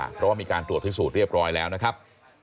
เพราะว่ามีการตรวจพิสูจน์เรียบร้อยแล้วนะครับ